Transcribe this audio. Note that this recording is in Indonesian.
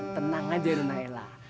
tenang aja nona ella